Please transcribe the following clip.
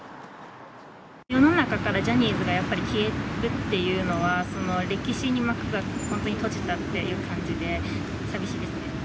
世の中からジャニーズがやっぱり消えるっていうのは、歴史に幕が本当に閉じたっていう感じで、さみしいですね。